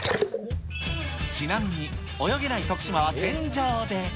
ちなみに、泳げない徳島は船上で。